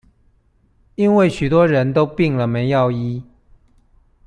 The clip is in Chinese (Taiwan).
因為許多人都病了沒藥醫